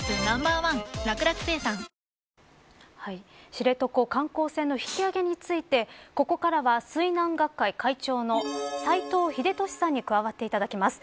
知床観光船の引き揚げについてここからは水難学会会長の斎藤秀俊さんに加わっていただきます。